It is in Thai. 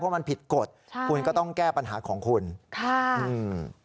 เพราะมันผิดกฎใช่คุณก็ต้องแก้ปัญหาของคุณค่ะอืม